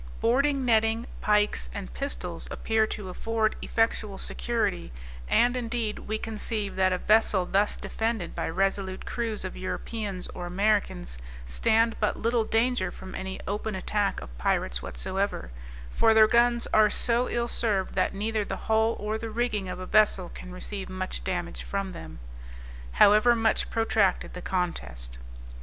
Boarding netting, pikes and pistols, appear to afford effectual security; and, indeed, we conceive that a vessel thus defended by resolute crews of Europeans or Americans stand but little danger from any open attack of pirates whatsoever; for their guns are so ill served, that neither the hull or the rigging of a vessel can receive much damage from them, however much protracted the contest.